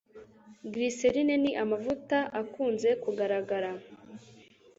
Glycerine ni amavuta akunze kugaragara